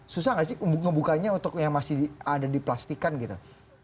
susah nggak sih ngebukanya untuk yang masih ada di plastikan gitu